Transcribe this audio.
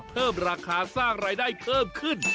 เพิ่มราคาสร้างรายได้เพิ่มขึ้น